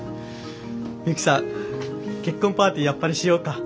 ミユキさん結婚パーティーやっぱりしようか。